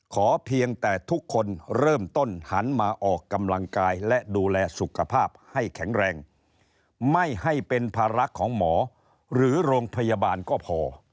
เพียงแต่ทุกคนเริ่มต้นหันมาออกกำลังกายและดูแลสุขภาพให้แข็งแรงไม่ให้เป็นภาระของหมอหรือโรงพยาบาลก็พอ